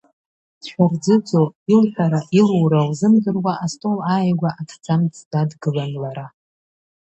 Дшәарӡыӡо, илҳәара-илура лзымдыруа астол ааигәа аҭӡамц дадгылан лара.